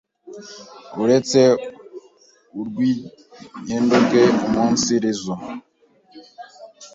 uretse urw’iginyenduge umunsiri zo,